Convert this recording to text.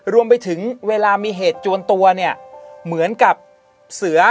รวมไปถึงเวลามีเหตุจวนตัวเนี่ยเหมือนกับเสือ